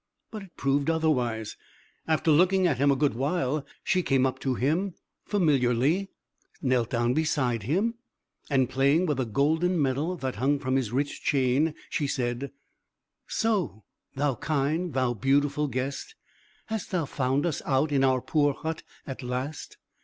But it proved otherwise. After looking at him a good while, she came up to him familiarly, knelt down beside him, and playing with a golden medal that hung from his rich chain, she said: "So, thou kind, thou beautiful guest! hast thou found us out in our poor hut at last?